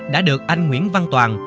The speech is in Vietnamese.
đã được anh nguyễn văn toàn